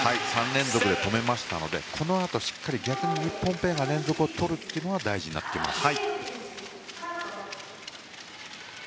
３連続で止めましたのでこのあと、しっかり逆に日本ペアが連続を取ることが大事になってきます。